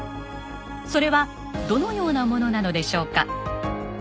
それはどのようなものなのでしょうか。